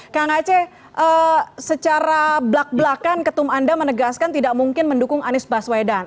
kang aceh secara belak belakan ketum anda menegaskan tidak mungkin mendukung anies baswedan